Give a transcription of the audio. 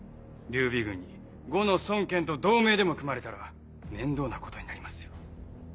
劉備軍に呉の孫権と同盟でも組まれたら面倒なことになりますよ。